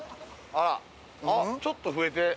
あっちょっと増えて。